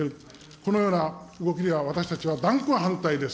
このような動きでは、私たちは断固反対です。